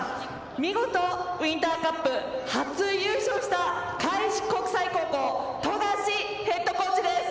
見事ウインターカップ初優勝した開志国際高校富樫ヘッドコーチです。